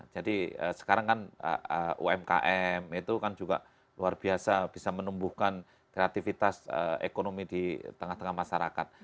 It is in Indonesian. jadi sekarang kan umkm itu kan juga luar biasa bisa menumbuhkan kreatifitas ekonomi di tengah tengah masyarakat